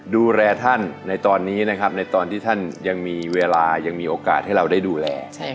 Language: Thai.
ดูแลท่านในตอนนี้นะครับในตอนที่ท่านยังมีเวลายังมีโอกาสให้เราได้ดูแล